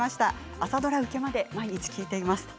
朝ドラ受けまで毎日聞いています。